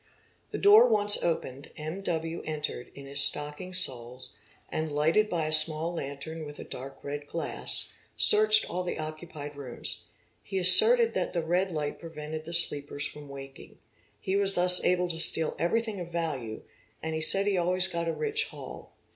* The door once opened, M.W. entered in his stocking soles and, lighted by a small lantern with a dark red glass, searched all the occupied rooms; he asserted that the redlight prevented the sleepers from waking. He was thus able to steal everything of value — and he said he always got a rich haul.